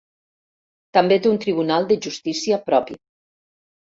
També té un tribunal de justícia propi.